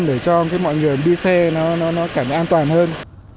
để cho mọi người đi xe nó cảm nhận an toàn hơn